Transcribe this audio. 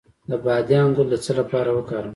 د بادیان ګل د څه لپاره وکاروم؟